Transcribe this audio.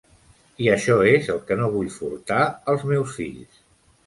I això és el que no vull furtar als meus fills.